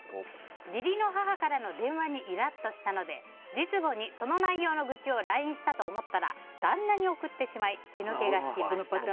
義理の母からの電話にイラッとしたので実母にその内容の愚痴をＬＩＮＥしたと思ったら旦那に送ってしまい血の気が引きました。